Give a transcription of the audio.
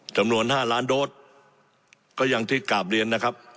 จำนวน๕ล้านโดสก็อย่างที่กราบเรียนนะครับ